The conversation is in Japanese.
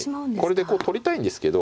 これでこう取りたいんですけど。